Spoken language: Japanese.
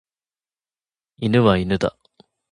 犬は犬だ。